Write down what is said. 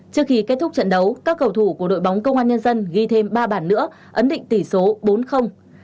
trước khi kết thúc trận đấu các cầu thủ của đội bóng công an nhân dân ghi thêm ba bảng nữa ấn định tỷ số bốn